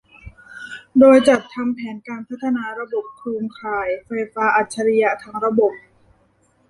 โดยจัดทำแผนการพัฒนาระบบโครงข่ายไฟฟ้าอัจฉริยะทั้งระบบ